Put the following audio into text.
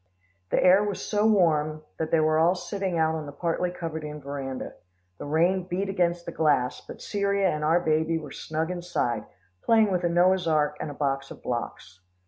The air was so warm that they were all sitting out on the partly covered in veranda. The rain beat against the glass, but Cyria and our baby were snug inside, playing with a Noah's ark and a box of blocks.